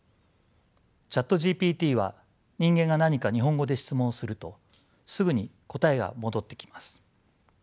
ＣｈａｔＧＰＴは人間が何か日本語で質問するとすぐに答えが戻ってきます。